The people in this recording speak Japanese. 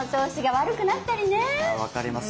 ああ分かります。